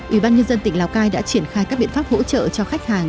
ủy ban nhân dân tỉnh lào cai đã triển khai các biện pháp hỗ trợ cho khách hàng